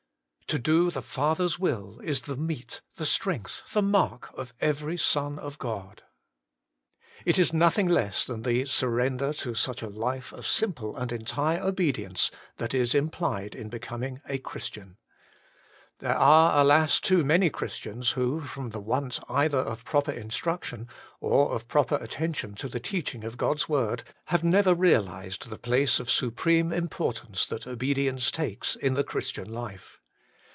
To do the Father's will is the meat, the strength, the mark, of every son of God. It is nothing less than the surrender to such a life of simple and entire obedience that is implied in becoming a Christian. There are, alas ! too many Christians who, from the want either of proper instruction, or of proper attention to the teaching of God's word, have never realized the 68 HOLY IN CHKIST. place of supreme importance that obedience takes in the Christian life.